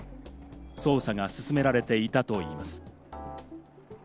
捜査が進められていたといいます。